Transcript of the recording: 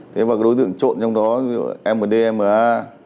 thế và đối tượng trộn trong đó là mdma